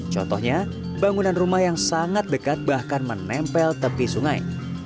contohnya bangunan rumah yang sangat dekat bahkan menempel tepi sungai